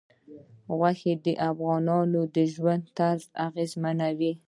غوښې د افغانانو د ژوند طرز اغېزمنوي.